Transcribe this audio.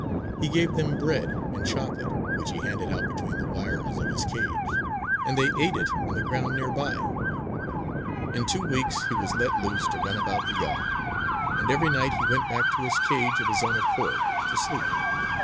He gave them bread and chocolate, which he handed out between the wires of his cage; and they ate it on the ground nearby. In two weeks, he was let loose to run about the yard; and every night he went back to his cage of his own accord to sleep.